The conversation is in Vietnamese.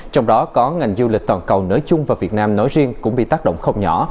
trong đó có ngành du lịch toàn cầu nói chung và việt nam nói riêng cũng bị tác động không nhỏ